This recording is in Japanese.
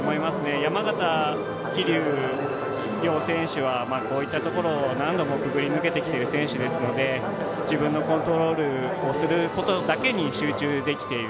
山縣、桐生の両選手はこういったところを何度も潜り抜けている選手ですので自分のコントロールをすることだけに集中できている。